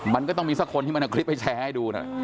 มันก็ต้องมีสักคนที่มันเอาคลิปไปแชร์ให้ดูนะ